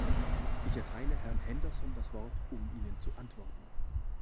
Ich erteile Herrn Henderson das Wort, um Ihnen zu antworten.